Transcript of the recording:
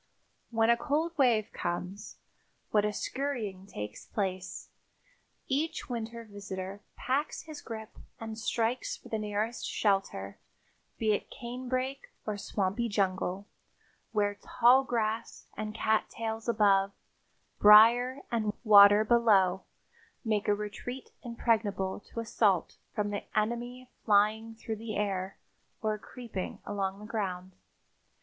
When a cold wave comes, what a scurrying takes place! Each winter visitor packs his grip and strikes for the nearest shelter, be it canebrake or swampy jungle, where tall grass and cat tails above, briars and water below, make a retreat impregnable to assault from the enemy flying through the air or creeping along the ground.